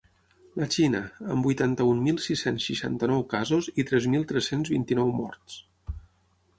La Xina, amb vuitanta-un mil sis-cents seixanta-nou casos i tres mil tres-cents vint-i-nou morts.